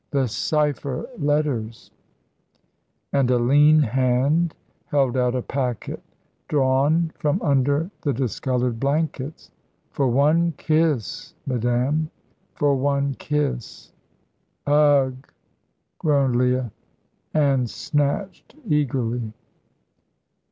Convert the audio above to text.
"The cypher letters"; and a lean hand held out a packet, drawn from under the discoloured blankets. "For one kiss, madame for one kiss." "Ugh!" groaned Leah, and snatched eagerly.